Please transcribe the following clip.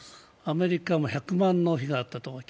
アメリカも１００万の日があったと。